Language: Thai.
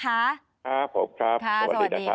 ครับผมครับสวัสดีนะครับ